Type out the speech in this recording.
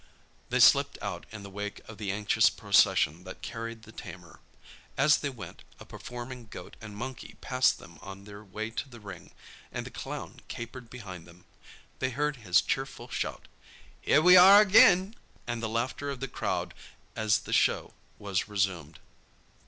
They slipped out in the wake of the anxious procession that carried the tamer. As they went, a performing goat and monkey passed them on their way to the ring, and the clown capered behind them. They heard his cheerful shout, "Here we are again!" and the laughter of the crowd as the show was resumed.